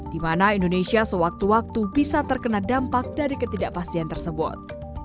di mana indonesia sewaktu waktu bisa terkena dampak dari ketidakpastian tersebut